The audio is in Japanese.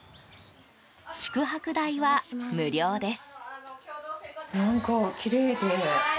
宿泊代は無料です。